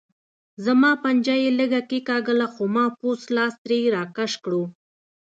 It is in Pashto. زما پنجه یې لږه کېګاږله خو ما پوست لاس ترې راکش کړو.